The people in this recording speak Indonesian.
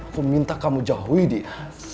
aku minta kamu jauhi dia